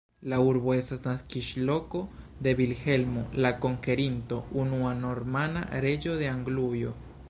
La urbo estas naskiĝloko de Vilhelmo la Konkerinto, unua normana reĝo de Anglujo.